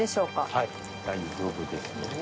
はい大丈夫です。